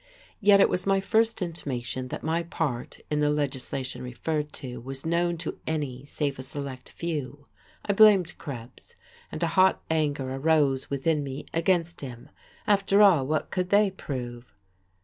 Yet it was my first intimation that my part in the legislation referred to was known to any save a select few. I blamed Krebs, and a hot anger arose within me against him. After all, what could they prove?